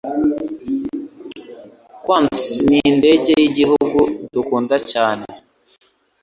Quantas nindege yigihugu dukunda cyane